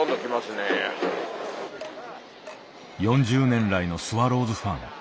４０年来のスワローズファン。